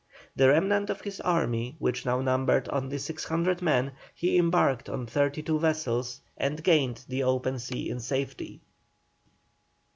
The remnant of his army, which now numbered only 600 men, he embarked on 32 vessels and gained the open sea in safety.